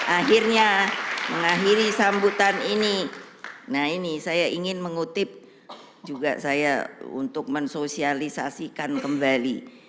akhirnya mengakhiri sambutan ini nah ini saya ingin mengutip juga saya untuk mensosialisasikan kembali